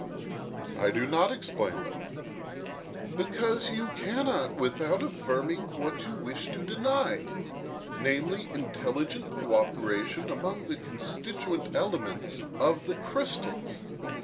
"I do not explain them." "Because you cannot without affirming what you wish to deny, namely, intelligent cooperation among the constituent elements of the crystals.